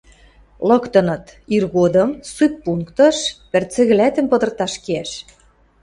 — Лыктыныт: иргодым ссыппунктыш пӹрцӹ кӹлӓтӹм пыдырташ кеӓш...